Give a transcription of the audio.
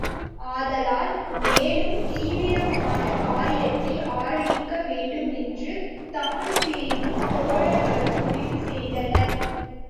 ஆதலால் மேலும் தீவிரமான காரியத்தை ஆரம்பிக்க வேண்டும் என்று தான்பிரினும் தோழர்களும் முடிவு செய்தனர்.